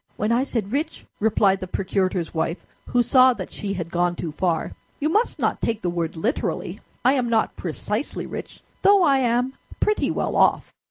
"When I said rich," replied the procurator's wife, who saw that she had gone too far, "you must not take the word literally. I am not precisely rich, though I am pretty well off."